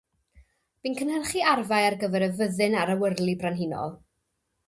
Bu'n cynhyrchu arfau ar gyfer y Fyddin a'r Awyrlu Brenhinol.